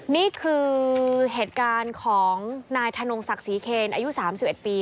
นี่คือเหตุการณ์ของนายธนงศักดิ์ศรีเคนอายุ๓๑ปี